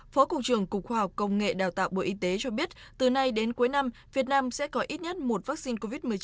phó cục trưởng cục khoa học công nghệ đào tạo bộ y tế cho biết từ nay đến cuối năm việt nam sẽ có ít nhất một vaccine covid một mươi chín